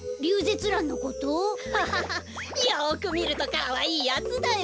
ハハハよくみるとかわいいやつだよ。